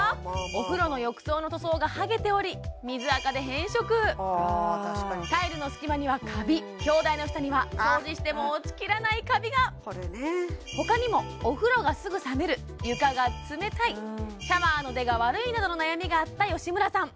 お風呂の浴槽の塗装がはげており水垢で変色タイルの隙間にはカビ鏡台の下には掃除しても落ちきらないカビが他にもお風呂がすぐ冷める床が冷たいシャワーの出が悪いなどの悩みがあった吉村さん